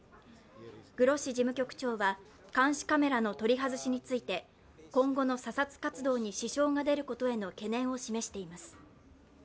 グロッシ事務局長は監視カメラの取り外しについて今後の査察活動に支障が出ることへの懸念を示しています。